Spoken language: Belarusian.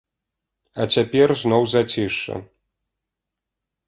А цяпер зноў зацішша.